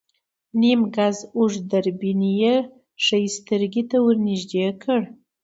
نيم ګز اوږد دوربين يې ښی سترګې ته ور نږدې کړ.